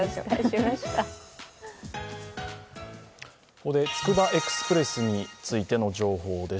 ここで、つくばエクスプレスについての情報です。